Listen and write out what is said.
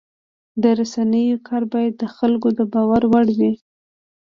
د رسنیو کار باید د خلکو د باور وړ وي.